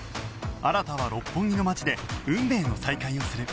新は六本木の街で運命の再会をする